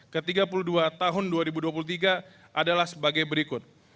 ke tiga puluh dua tahun dua ribu dua puluh tiga adalah sebagai berikut